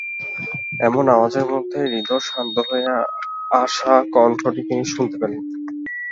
এমন আওয়াজের মধ্যেই হৃদয় শান্ত হয়ে আসা কণ্ঠটি তিনি শুনতে পেলেন।